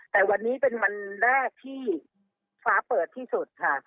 แต่วันนี้เป็นวันแรกที่ฟ้าเปิดที่สุดค่ะ